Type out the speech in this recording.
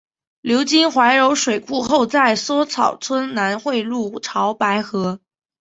流经怀柔水库后在梭草村南汇入潮白河。